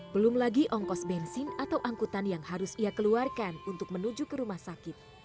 belum lagi ongkos bensin atau angkutan yang harus ia keluarkan untuk menuju ke rumah sakit